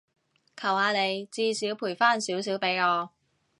求下你，至少賠返少少畀我